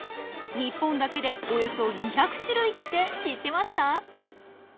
日本だけでおよそ２００種類って知ってました？